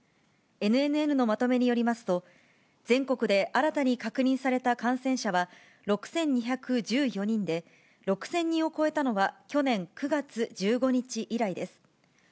ＮＮＮのまとめによりますと、全国で新たに確認された感染者は６２１４人で、６０００人を超えたのは、去年９月１５日以来です。